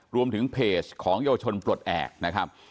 รวมถึงเพจของเยาวชนปลดแอบนะครับ